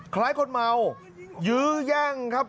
คล้ายคนเมายื้อแย่งครับ